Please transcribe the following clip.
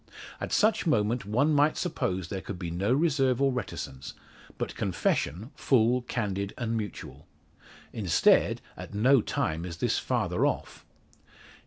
At such moment one might suppose there could be no reserve or reticence, but confession full, candid, and mutual. Instead, at no time is this farther off.